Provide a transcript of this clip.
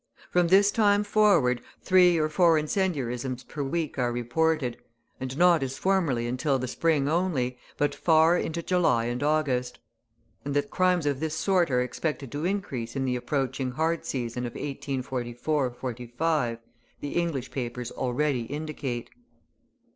From this time forward, three or four incendiarisms per week are reported, and not as formerly until the spring only, but far into July and August. And that crimes of this sort are expected to increase in the approaching hard season of 1844 45, the English papers already indicate.